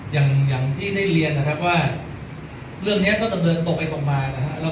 อย่างที่ได้เรียนนะครับว่าเรื่องนี้ก็ดำเนินตรงไปตรงมานะครับ